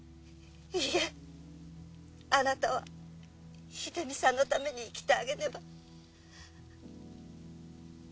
いいえあなたは秀美さんのために生きてあげねば。